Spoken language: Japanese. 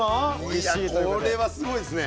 いやこれはすごいですね。